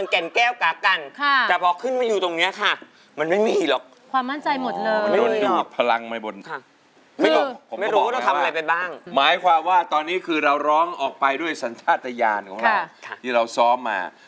ขนาดไหนครับไม่มีเลยฮ่า